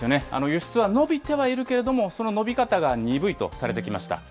輸出は伸びてはいるけれども、その伸び方が鈍いとされてきました。